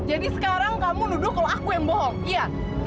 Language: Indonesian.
jadi sekarang kamu nuduh kalau aku yang bohong iya